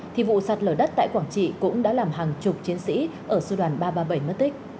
thì vụ sạt lở đất tại quảng trị cũng đã làm hàng chục chiến sĩ ở sư đoàn ba trăm ba mươi bảy mất tích